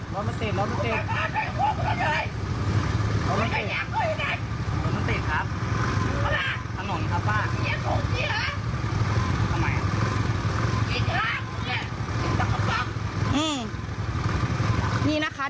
ระวังระวังมันถอยลงนะที่